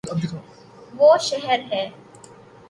وہ شہر ہے